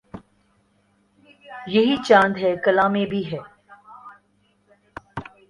یہی چاند ہے کلاں میں بھی ہے